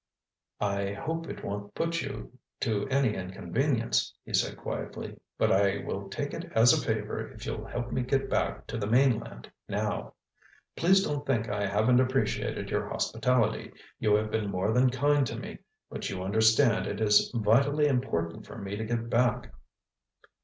"I hope it won't put you to any inconvenience," he said quietly, "but I will take it as a favor if you'll help me get back to the mainland now. Please don't think I haven't appreciated your hospitality. You have been more than kind to me. But you understand it is vitally important for me to get back."